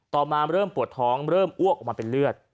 มาเริ่มปวดท้องเริ่มอ้วกออกมาเป็นเลือด